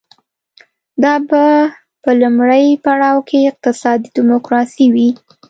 دا به په لومړي پړاو کې اقتصادي ډیموکراسي وي.